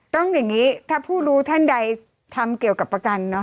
อย่างนี้ถ้าผู้รู้ท่านใดทำเกี่ยวกับประกัน